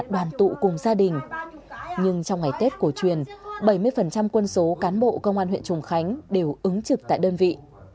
đoàn tụ cùng gia đình nhưng trong ngày tết cổ truyền bảy mươi quân số cán bộ công an huyện trùng khánh đều ứng trực tại đơn vị